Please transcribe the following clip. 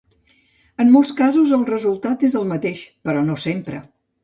En molts casos el resultat és el mateix, però no sempre.